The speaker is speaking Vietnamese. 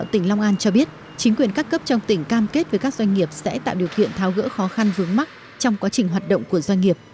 tỉnh long an cho biết chính quyền các cấp trong tỉnh cam kết với các doanh nghiệp sẽ tạo điều kiện tháo gỡ khó khăn vướng mắt trong quá trình hoạt động của doanh nghiệp